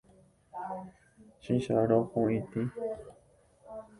Chicharõ huʼitĩ.